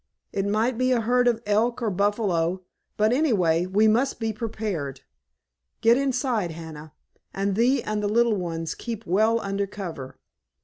It might be a herd of elk or buffalo, but anyway, we must be prepared. Get inside, Hannah, and thee and the little ones keep well under cover."